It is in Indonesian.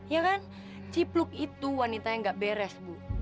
ya kan cipluk itu wanita yang gak beres bu